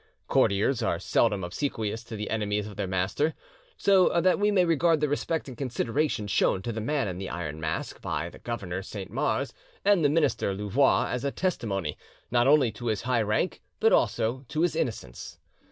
Courtiers are seldom obsequious to the enemies of their master, so that we may regard the respect and consideration shown to the Man in the Mask by the governor Saint Mars, and the minister Louvois, as a testimony, not only to his high rank, but also to his innocence.